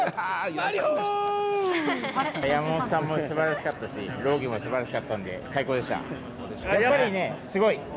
山本さんもすばらしかったし、朗希もすばらしかったんで、やっぱりね、すごい！